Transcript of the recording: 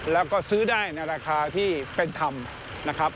แล้วก็ซื้อได้ในราคาที่เป็นธรรมนะครับ